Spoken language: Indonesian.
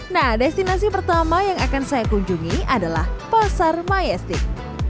nah destinasi pertama yang akan saya kunjungi adalah pasar mayastik